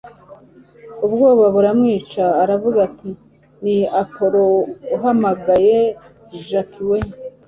ubwoba buramwica aravuga ati ni appolo uhamagaye jack we